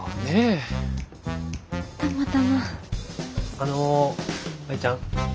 あの舞ちゃん。